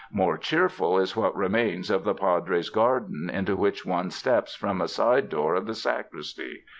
More cheerful is what remains of the Padres' garden into which one steps from a side door of the sacristy.